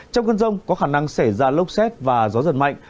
trong cơn rông có khả năng xảy ra lốc xét và gió giật mạnh